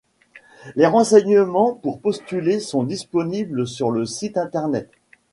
Les renseignements pour postuler sont disponibles sur le site internet.